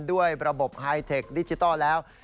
ด้วยระบบไฮเทคดิจิทัลแล้ว